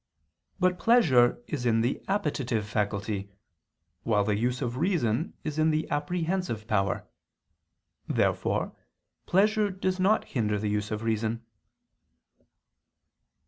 But pleasure is in the appetitive faculty, while the use of reason is in the apprehensive power. Therefore pleasure does not hinder the use of reason.